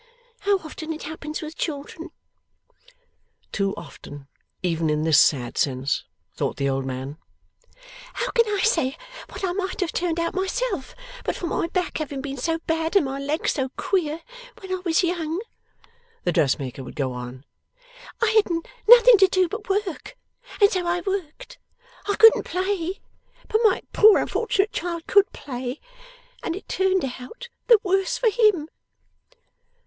How often it happens with children!' 'Too often, even in this sad sense!' thought the old man. 'How can I say what I might have turned out myself, but for my back having been so bad and my legs so queer, when I was young!' the dressmaker would go on. 'I had nothing to do but work, and so I worked. I couldn't play. But my poor unfortunate child could play, and it turned out the worse for him.